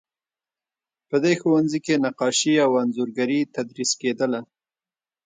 په دې ښوونځي کې نقاشي او انځورګري تدریس کیدله.